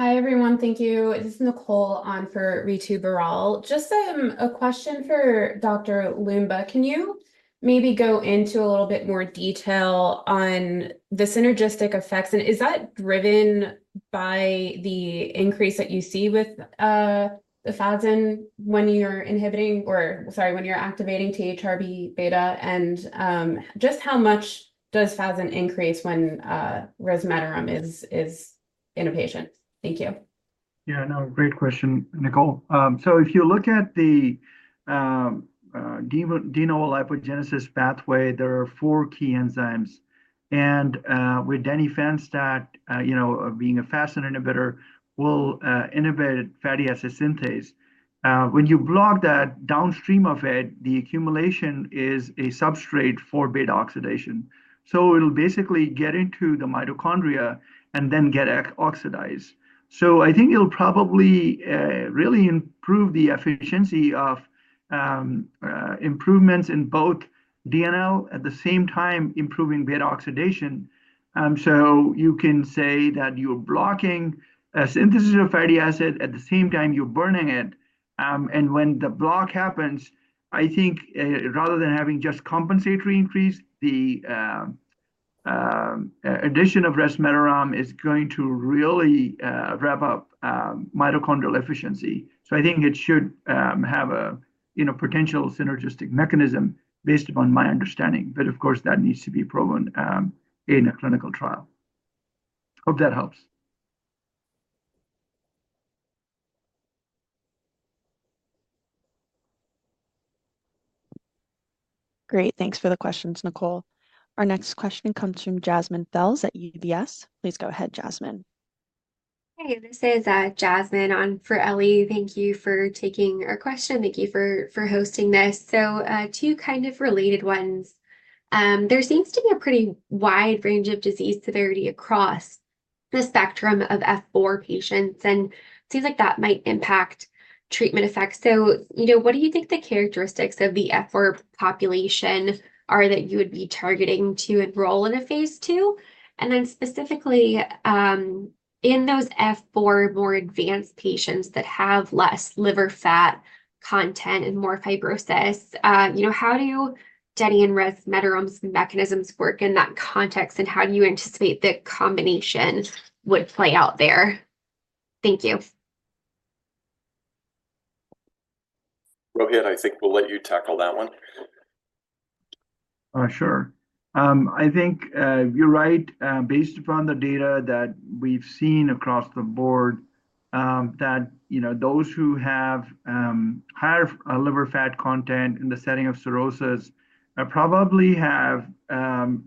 Hi, everyone. Thank you. This is Nicole on for Ritu-Beral. Just a question for Dr. Loomba. Can you maybe go into a little bit more detail on the synergistic effects? Is that driven by the increase that you see with the FASN when you're inhibiting or, sorry, when you're activating THR-beta? Just how much does FASN increase when resveratrol is in a patient? Thank you. Yeah, no, great question, Nicole. If you look at the de novo lipogenesis pathway, there are four key enzymes. With Denifanstat being a FASN inhibitor, we'll inhibit fatty acid synthase. When you block that downstream of it, the accumulation is a substrate for beta oxidation. It will basically get into the mitochondria and then get oxidized. I think it will probably really improve the efficiency of improvements in both DNL at the same time improving beta oxidation. You can say that you are blocking a synthesis of fatty acid at the same time you are burning it. When the block happens, I think rather than having just compensatory increase, the addition of resveratrol is going to really rev up mitochondrial efficiency. I think it should have a potential synergistic mechanism based upon my understanding. Of course, that needs to be proven in a clinical trial. Hope that helps. Great. Thanks for the questions, Nicole. Our next question comes from Jasmine Ee at UBS. Please go ahead, Jasmine. Hey, this is Jasmine on for Ellie.Thank you for taking our question. Thank you for hosting this. Two kind of related ones. There seems to be a pretty wide range of disease severity across the spectrum of F4 patients. It seems like that might impact treatment effects. What do you think the characteristics of the F4 population are that you would be targeting to enroll in a phase II? Specifically, in those F4 more advanced patients that have less liver fat content and more fibrosis, how do Denny and resveratrol mechanisms work in that context? How do you anticipate the combination would play out there? Thank you. Rohit, I think we'll let you tackle that one. Sure. I think you're right. Based upon the data that we've seen across the board, those who have higher liver fat content in the setting of cirrhosis probably have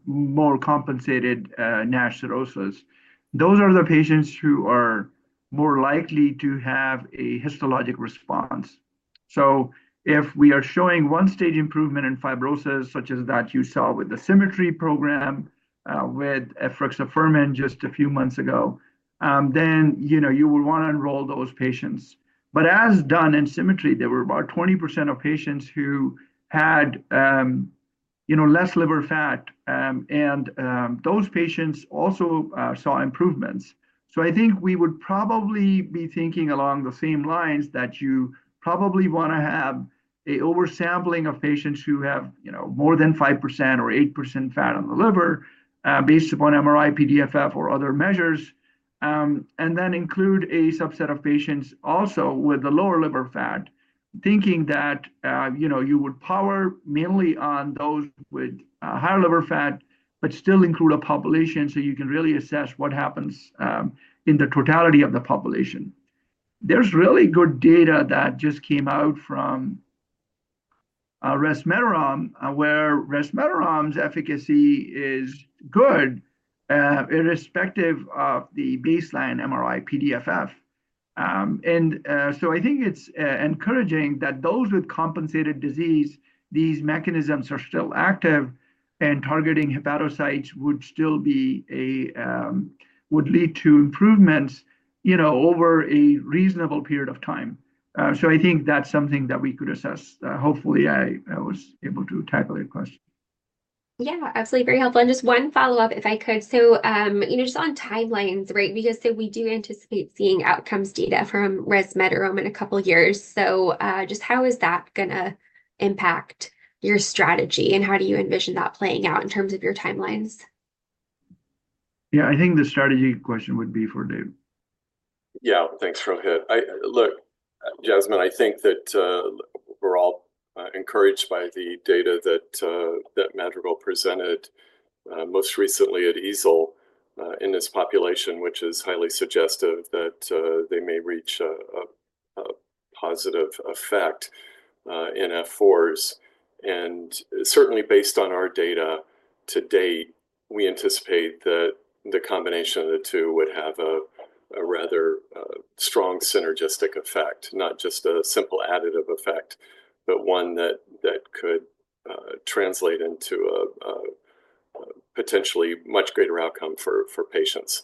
more compensated NASH cirrhosis. Those are the patients who are more likely to have a histologic response. If we are showing one-stage improvement in fibrosis such as that you saw with the SIMMETRY program with FRXAFERMIN just a few months ago, you would want to enroll those patients. As done in SIMMETRY, there were about 20% of patients who had less liver fat. Those patients also saw improvements.I think we would probably be thinking along the same lines that you probably want to have an oversampling of patients who have more than five percent or eight percent fat on the liver based upon MRI-PDFF or other measures, and then include a subset of patients also with the lower liver fat, thinking that you would power mainly on those with higher liver fat, but still include a population so you can really assess what happens in the totality of the population. There is really good data that just came out from Rezdiffra, where Rezdiffra's efficacy is good irrespective of the baseline MRI-PDFF. I think it is encouraging that those with compensated disease, these mechanisms are still active, and targeting hepatocytes would still lead to improvements over a reasonable period of time. I think that is something that we could assess. Hopefully, I was able to tackle your question. Yeah, absolutely. Very helpful. Just one follow-up, if I could. Just on timelines, right? Because we do anticipate seeing outcomes data from Resmetirom in a couple of years. Just how is that going to impact your strategy? How do you envision that playing out in terms of your timelines? Yeah, I think the strategy question would be for David. Yeah, thanks, Rohit. Look, Jasmine, I think that we are all encouraged by the data that Madrigal presented most recently at EASL in this population, which is highly suggestive that they may reach a positive effect in F4s. Certainly, based on our data to date, we anticipate that the combination of the two would have a rather strong synergistic effect, not just a simple additive effect, but one that could translate into a potentially much greater outcome for patients.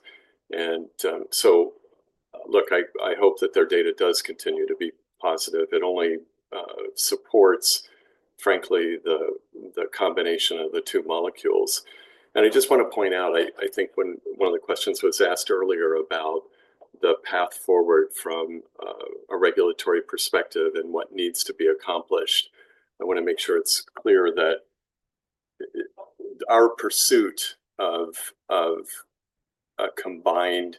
Look, I hope that their data does continue to be positive. It only supports, frankly, the combination of the two molecules. I just want to point out, I think one of the questions was asked earlier about the path forward from a regulatory perspective and what needs to be accomplished. I want to make sure it's clear that our pursuit of a combined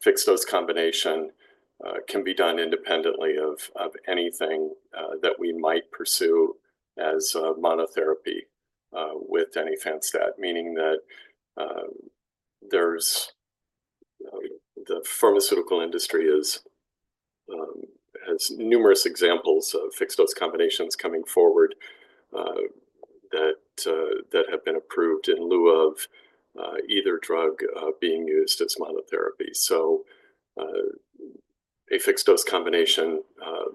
fixed-dose combination can be done independently of anything that we might pursue as a monotherapy with Denifanstat, meaning that the pharmaceutical industry has numerous examples of fixed-dose combinations coming forward that have been approved in lieu of either drug being used as monotherapy. A fixed-dose combination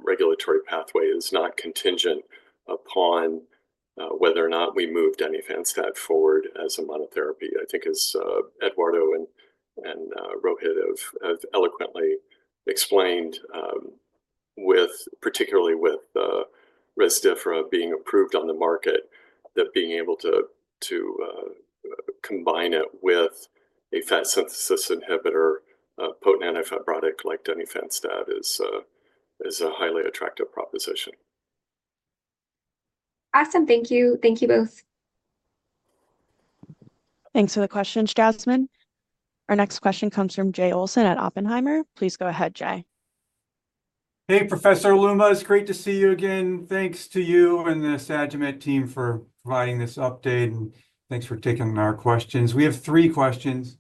regulatory pathway is not contingent upon whether or not we move Denifanstat forward as a monotherapy.I think as Eduardo and Rohit have eloquently explained, particularly with Rezdiffra being approved on the market, that being able to combine it with a fat synthesis inhibitor, a potent antifibrotic like Denifanstat, is a highly attractive proposition. Awesome. Thank you. Thank you both. Thanks for the questions, Jasmine. Our next question comes from Jay Olson at Oppenheimer. Please go ahead, Jay. Hey, Professor Loomba. It's great to see you again. Thanks to you and the Sagimet team for providing this update. And thanks for taking our questions. We have three questions.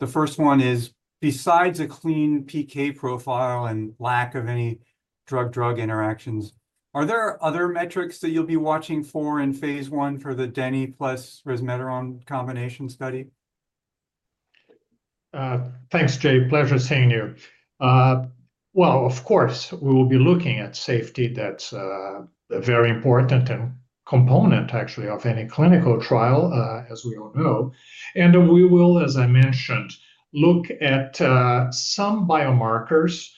The first one is, besides a clean PK profile and lack of any drug-drug interactions, are there other metrics that you'll be watching for in phase I for the Deni plus resmetirom combination study? Thanks, Jay. Pleasure seeing you. Of course, we will be looking at safety. That's a very important component, actually, of any clinical trial, as we all know. We will, as I mentioned, look at some biomarkers,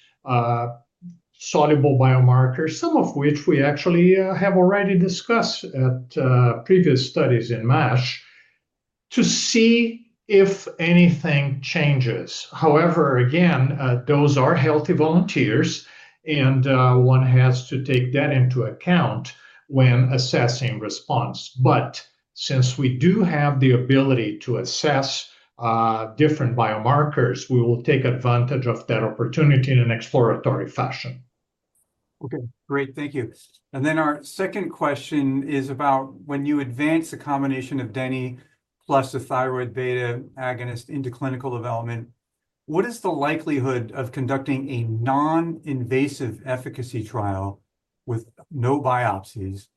soluble biomarkers, some of which we actually have already discussed at previous studies in MASH to see if anything changes. However, again, those are healthy volunteers, and one has to take that into account when assessing response. Since we do have the ability to assess different biomarkers, we will take advantage of that opportunity in an exploratory fashion. Okay. Great. Thank you. Our second question is about when you advance the combination of Denny plus the thyroid beta agonist into clinical development, what is the likelihood of conducting a non-invasive efficacy trial with no biopsies?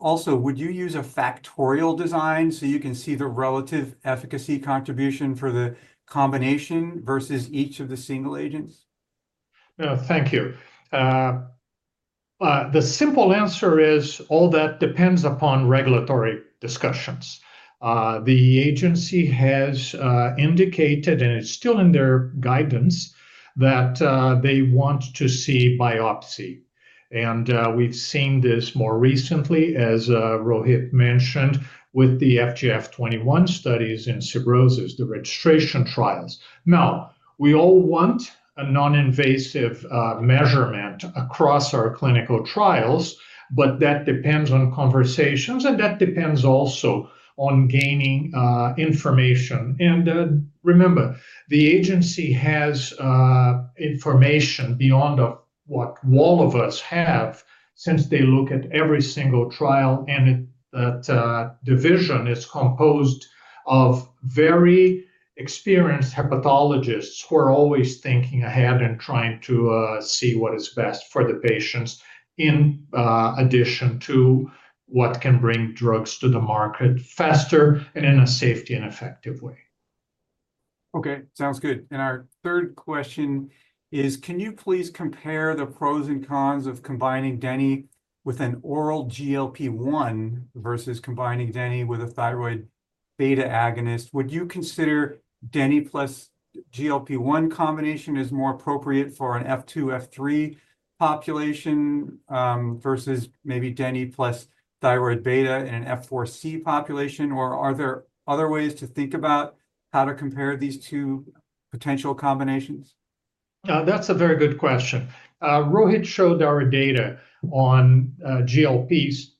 Also, would you use a factorial design so you can see the relative efficacy contribution for the combination versus each of the single agents? Thank you. The simple answer is all that depends upon regulatory discussions. The agency has indicated, and it is still in their guidance, that they want to see biopsy. We have seen this more recently, as Rohit mentioned, with the FGF21 studies in cirrhosis, the registration trials. We all want a non-invasive measurement across our clinical trials, but that depends on conversations, and that depends also on gaining information. Remember, the agency has information beyond what all of us have since they look at every single trial, and that division is composed of very experienced hepatologists who are always thinking ahead and trying to see what is best for the patients in addition to what can bring drugs to the market faster and in a safe and effective way. Okay. Sounds good. Our third question is, can you please compare the pros and cons of combining Denny with an oral GLP-1 versus combining Denny with a thyroid beta agonist? Would you consider Denny plus GLP-1 combination as more appropriate for an F2, F3 population versus maybe Denny plus thyroid beta in an F4 population? Are there other ways to think about how to compare these two potential combinations? That's a very good question. Rohit showed our data on GLP-1s,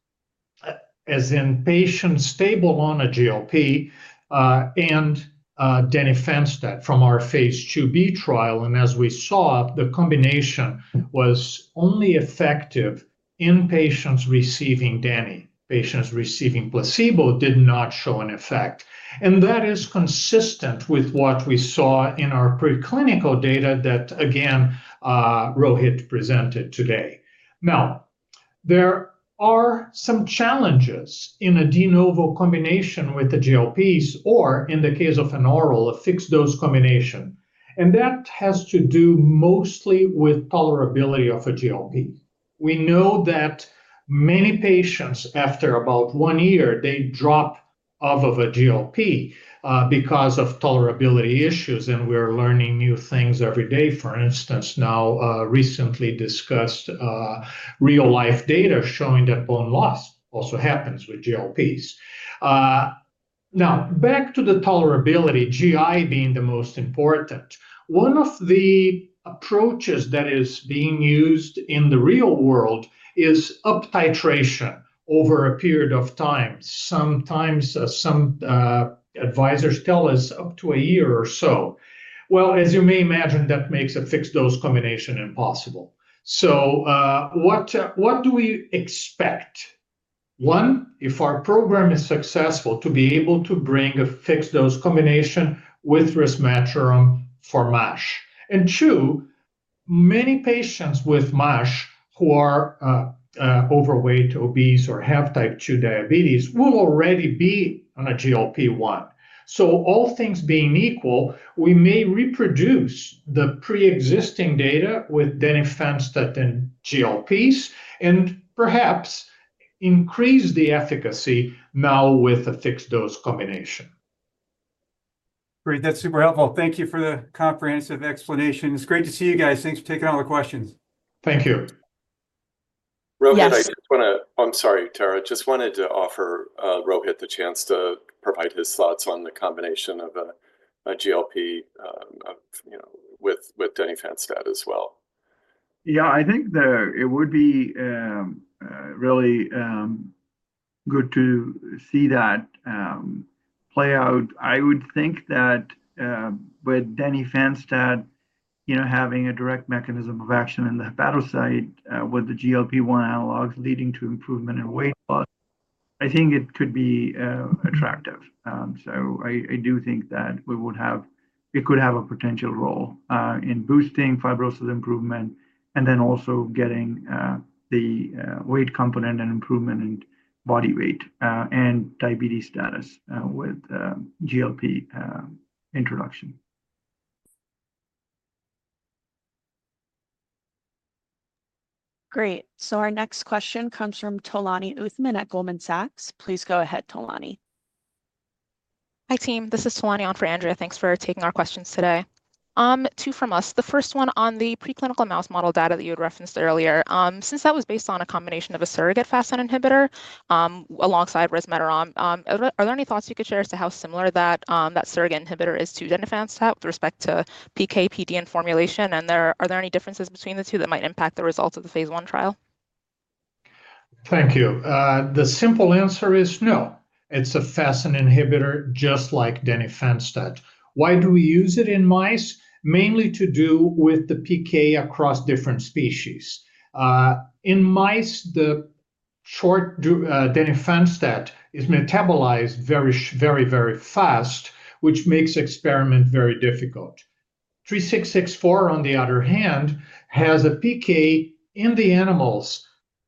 as in patients stable on a GLP-1 and denifanstat from our phase IIb trial. As we saw, the combination was only effective in patients receiving Denny. Patients receiving placebo did not show an effect. That is consistent with what we saw in our preclinical data that, again, Rohit presented today. Now, there are some challenges in a de novo combination with the GLPs or in the case of an oral, a fixed dose combination. That has to do mostly with tolerability of a GLP. We know that many patients, after about one year, they drop off of a GLP because of tolerability issues. We are learning new things every day. For instance, now recently discussed real-life data showing that bone loss also happens with GLPs. Now, back to the tolerability, GI being the most important, one of the approaches that is being used in the real world is up titration over a period of time. Sometimes some advisors tell us up to a year or so. As you may imagine, that makes a fixed dose combination impossible. What do we expect? One, if our program is successful, to be able to bring a fixed dose combination with Resmetirom for MASH. Two, many patients with MASH who are overweight, obese, or have type two diabetes will already be on a GLP-1. All things being equal, we may reproduce the pre-existing data with Denifanstat and GLP-1s and perhaps increase the efficacy now with a fixed dose combination. Great. That is super helpful. Thank you for the comprehensive explanation. It is great to see you guys. Thanks for taking all the questions. Thank you. Rohit, I just want to—I'm sorry, Tara. Just wanted to offer Rohit the chance to provide his thoughts on the combination of a GLP-1 with Denifanstat as well. Yeah, I think it would be really good to see that play out.I would think that with Denifanstat having a direct mechanism of action in the hepatocyte with the GLP-1 analogs leading to improvement in weight loss, I think it could be attractive. I do think that we would have—it could have a potential role in boosting fibrosis improvement and then also getting the weight component and improvement in body weight and diabetes status with GLP introduction. Great. Our next question comes from Tolani Uthman at Goldman Sachs. Please go ahead, Tolani. Hi, team. This is Tolani on for Andrea. Thanks for taking our questions today. Two from us. The first one on the preclinical mouse model data that you had referenced earlier. Since that was based on a combination of a surrogate FASN inhibitor alongside resveratrol, are there any thoughts you could share as to how similar that surrogate inhibitor is to denifanstat with respect to PK, PD, and formulation? Are there any differences between the two that might impact the results of the phase I trial? Thank you. The simple answer is no. It's a FASN inhibitor just like denifanstat. Why do we use it in mice? Mainly to do with the PK across different species. In mice, the short denifanstat is metabolized very, very, very fast, which makes experiment very difficult. 3664, on the other hand, has a PK in the animals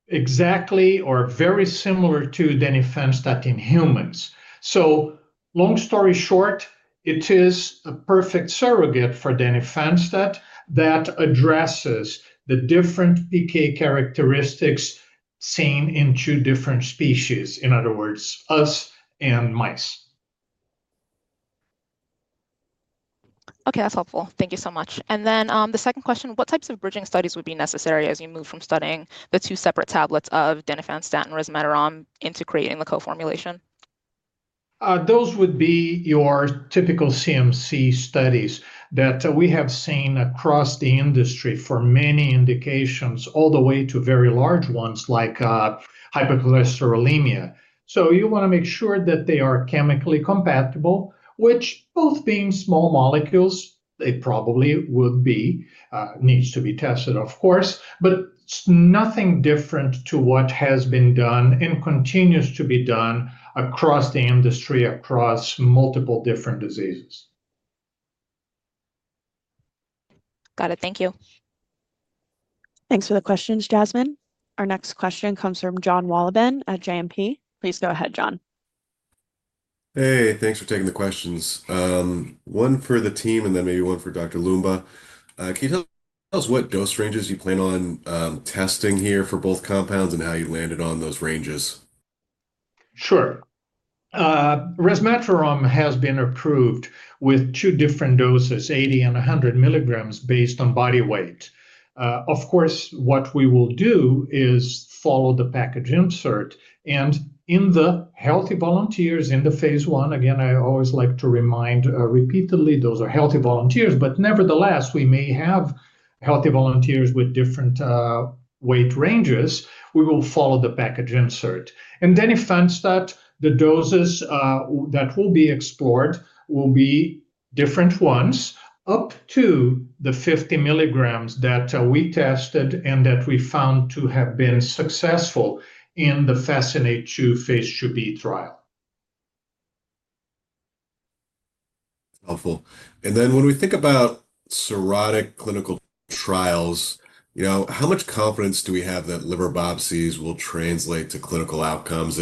exactly or very similar to denifanstat in humans. Long story short, it is a perfect surrogate for denifanstat that addresses the different PK characteristics seen in two different species, in other words, us and mice. Okay.That's helpful. Thank you so much. The second question, what types of bridging studies would be necessary as you move from studying the two separate tablets of Denifanstat and resmetirom into creating the co-formulation? Those would be your typical CMC studies that we have seen across the industry for many indications, all the way to very large ones like hypercholesterolemia. You want to make sure that they are chemically compatible, which, both being small molecules, they probably would be, needs to be tested, of course, but nothing different to what has been done and continues to be done across the industry across multiple different diseases. Got it. Thank you. Thanks for the questions, Jasmine. Our next question comes from Jon Wolleben at JMP. Please go ahead, John. Hey, thanks for taking the questions. One for the team and then maybe one for Dr. Loomba.Can you tell us what dose ranges you plan on testing here for both compounds and how you landed on those ranges? Sure. Resmetirom has been approved with two different doses, 80 and 100 milligrams based on body weight. Of course, what we will do is follow the package insert. In the healthy volunteers in the phase I, again, I always like to remind repeatedly, those are healthy volunteers. Nevertheless, we may have healthy volunteers with different weight ranges. We will follow the package insert. Denifanstat, the doses that will be explored will be different ones up to the 50 milligrams that we tested and that we found to have been successful in the FASCINATE-2 phase IIb trial. Helpful. When we think about cirrhotic clinical trials, how much confidence do we have that liver biopsies will translate to clinical outcomes?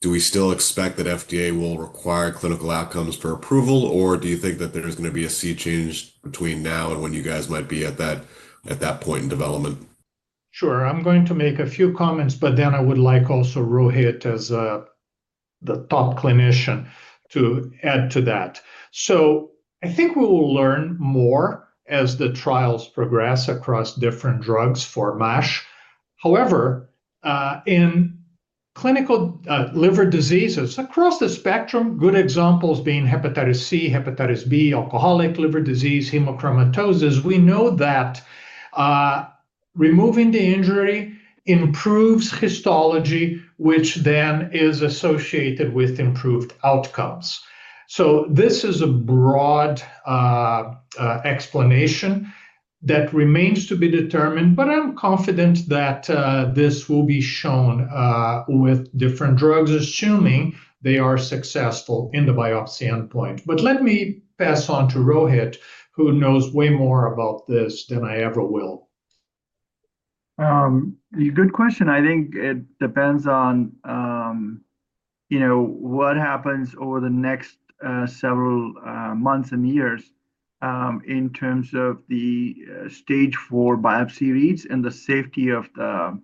Do we still expect that FDA will require clinical outcomes for approval, or do you think that there's going to be a sea change between now and when you guys might be at that point in development? Sure. I'm going to make a few comments, but then I would like also Rohit as the top clinician to add to that. I think we will learn more as the trials progress across different drugs for MASH. However, in clinical liver diseases across the spectrum, good examples being hepatitis C, hepatitis B, alcoholic liver disease, hemochromatosis, we know that removing the injury improves histology, which then is associated with improved outcomes. This is a broad explanation that remains to be determined, but I'm confident that this will be shown with different drugs, assuming they are successful in the biopsy endpoint. Let me pass on to Rohit, who knows way more about this than I ever will. Good question. I think it depends on what happens over the next several months and years in terms of the stage four biopsy reads and the safety of the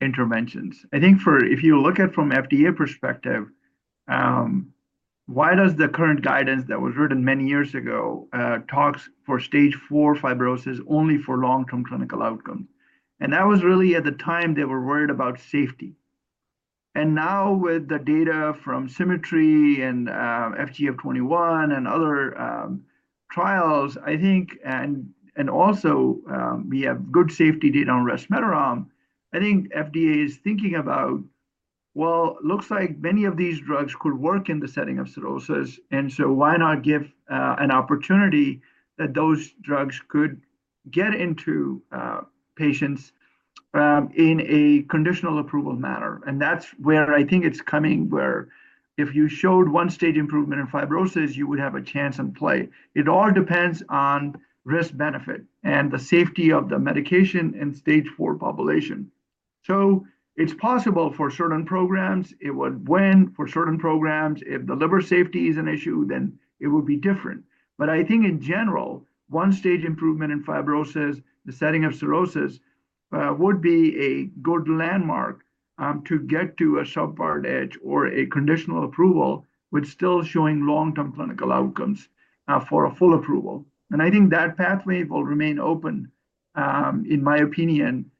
interventions. I think if you look at it from FDA perspective, why does the current guidance that was written many years ago talk for stage four fibrosis only for long-term clinical outcomes? That was really at the time they were worried about safety. Now with the data from SIMMETRY and FGF21 and other trials, I think, and also we have good safety data on resveratrol, I think FDA is thinking about, looks like many of these drugs could work in the setting of cirrhosis. Why not give an opportunity that those drugs could get into patients in a conditional approval manner? That is where I think it is coming, where if you showed one-stage improvement in fibrosis, you would have a chance in play. It all depends on risk-benefit and the safety of the medication in stage four population. It is possible for certain programs, it would win for certain programs. If the liver safety is an issue, then it would be different. I think in general, one-stage improvement in fibrosis, the setting of cirrhosis, would be a good landmark to get to a shelf-board edge or a conditional approval, which still showing long-term clinical outcomes for a full approval.I think that pathway will remain open, in my opinion,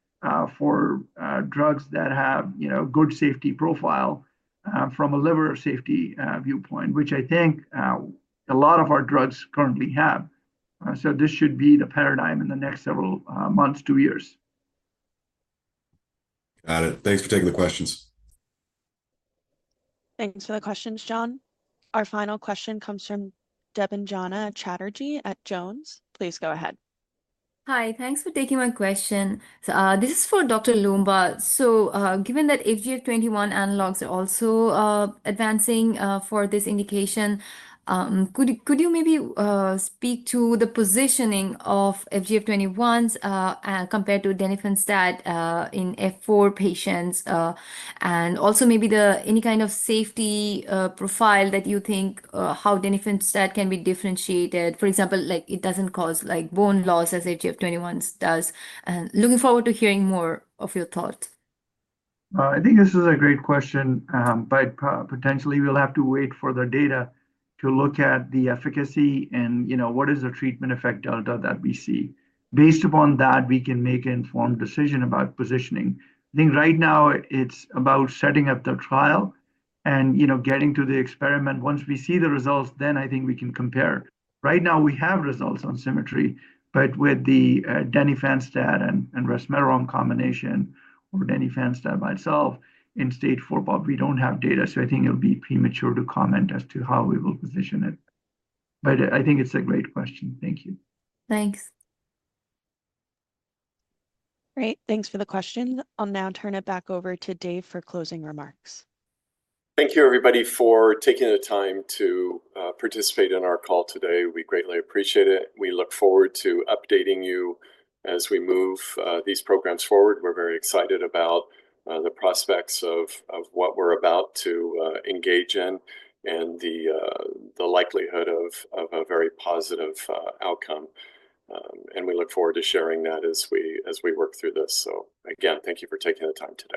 for drugs that have a good safety profile from a liver safety viewpoint, which I think a lot of our drugs currently have. This should be the paradigm in the next several months, two years. Got it. Thanks for taking the questions. Thanks for the questions, Jon. Our final question comes from Debanjana Chatterjee at Jones. Please go ahead. Hi. Thanks for taking my question. This is for Dr. Loomba. Given that FGF21 analogs are also advancing for this indication, could you maybe speak to the positioning of FGF21 compared to Denifanstat in F4 patients? Also, maybe any kind of safety profile that you think how Denifanstat can be differentiated. For example, it does not cause bone loss as FGF21 does. Looking forward to hearing more of your thoughts. I think this is a great question, but potentially we'll have to wait for the data to look at the efficacy and what is the treatment effect delta that we see. Based upon that, we can make an informed decision about positioning. I think right now it's about setting up the trial and getting to the experiment. Once we see the results, then I think we can compare. Right now, we have results on SIMMETRY, but with the Denifanstat and resmetirom combination or Denifanstat by itself in stage four, we don't have data. I think it'll be premature to comment as to how we will position it. I think it's a great question. Thank you. Thanks. Great. Thanks for the question. I'll now turn it back over to Dave for closing remarks. Thank you, everybody, for taking the time to participate in our call today. We greatly appreciate it. We look forward to updating you as we move these programs forward. We're very excited about the prospects of what we're about to engage in and the likelihood of a very positive outcome. We look forward to sharing that as we work through this. Again, thank you for taking the time today.